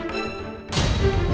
aku akan mencari cherry